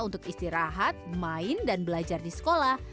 untuk istirahat main dan belajar di sekolah